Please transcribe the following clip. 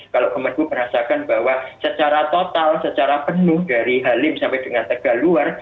kalau kemenbuk merasakan bahwa secara total secara penuh dari halim sampai dengan tenaga luar